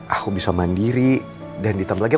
aku bisa mandiri dan ditembel lagi aku